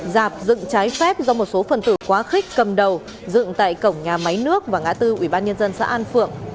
giạp dựng trái phép do một số phần tử quá khích cầm đầu dựng tại cổng nhà máy nước và ngã tư ubnd xã an phượng